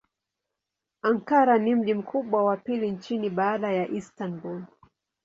Ankara ni mji mkubwa wa pili nchini baada ya Istanbul.